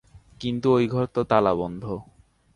কিন্তু ঐ ঘর তো তালাবন্ধ।